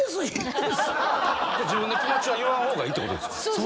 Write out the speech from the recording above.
⁉自分の気持ちは言わん方がいいってことですか？